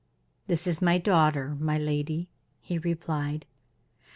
"This is my daughter, my lady," he replied.